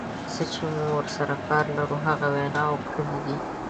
څه چې موږ ورسره کار لرو هغه ویناوې او کړنې دي.